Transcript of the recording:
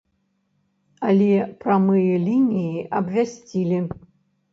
Але прамыя лініі абвясцілі.